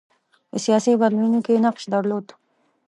په سیاسي بدلونونو کې یې نقش درلود.